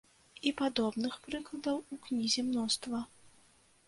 І падобных прыкладаў ў кнізе мноства.